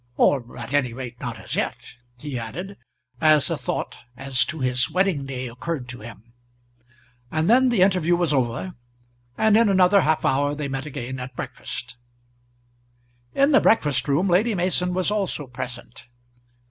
Or at any rate, not as yet," he added, as a thought as to his wedding day occurred to him. And then the interview was over, and in another half hour they met again at breakfast. In the breakfast room Lady Mason was also present.